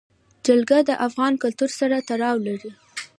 جلګه د افغان کلتور سره تړاو لري.